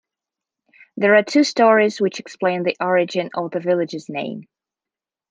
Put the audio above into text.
There are two stories which explain the origin of the village's name.